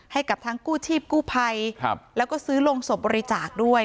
ให้กับทั้งกู้ชีพกู้ภัยแล้วก็ซื้อโรงศพบริจาคด้วย